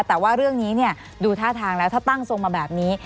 แต่ว่าเรื่องนี้ดูท่าทางแล้วถ้าตั้งทรงมาแบบนี้